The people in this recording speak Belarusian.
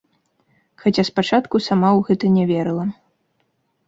Хаця спачатку сама ў гэта не верыла.